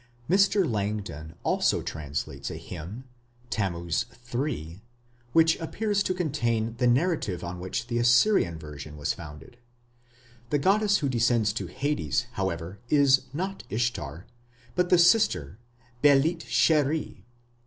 Mr. Langdon also translates a hymn (Tammuz III) which appears to contain the narrative on which the Assyrian version was founded. The goddess who descends to Hades, however, is not Ishtar, but the "sister", Belit sheri.